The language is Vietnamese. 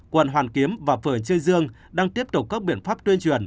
quận hoàn kiếm và phường chê dương đang tiếp tục các biện pháp tuyên truyền